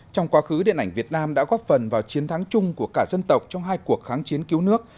trong quá khứ điện ảnh việt nam đã góp phần vào chiến thắng chung của cả dân tộc trong hai cuộc kháng chiến cứu nước